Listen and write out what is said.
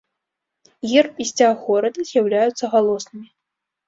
Герб і сцяг горада з'яўляюцца галоснымі.